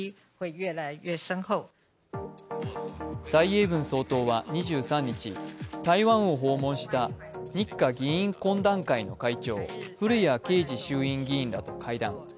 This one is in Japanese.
蔡英文総統は２３日、台湾を訪問した日華議員懇談会の会長、古屋圭司衆院議員らと会談。